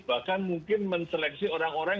bahkan mungkin menseleksi orang orang